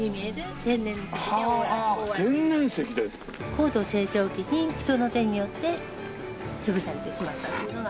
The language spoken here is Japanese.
高度成長期に人の手によって潰されてしまったっていうのが。